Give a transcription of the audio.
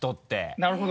なるほど。